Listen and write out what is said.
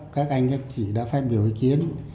các anh em chỉ đã phát biểu ý kiến